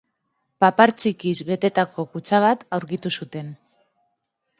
Papar txikiz betetako kutxa bat aurkitu zuten.